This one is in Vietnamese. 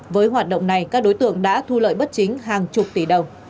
với hoạt động này các đối tượng đã thu lợi bất chính hàng chục tỷ đồng